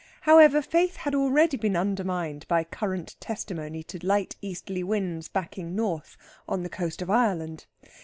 However, faith had already been undermined by current testimony to light easterly winds backing north, on the coast of Ireland.